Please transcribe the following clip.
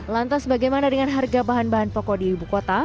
lantas bagaimana dengan harga bahan bahan pokok di ibu kota